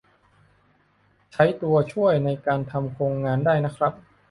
ใช้ตัวช่วยในการทำโครงงานได้นะครับ